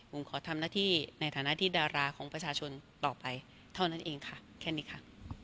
ผมขอทำหน้าที่ในฐานะที่ดาราของประชาชนต่อไปเท่านั้นเองค่ะแค่นี้ค่ะ